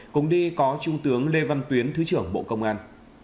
cùng đi có trung tướng lê văn tuyến thứ trưởng bộ công an